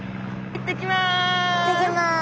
行ってきます。